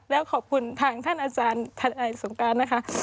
และขอบคุณทางท่านอาจารย์ธรรมไอศงกาลนะคะ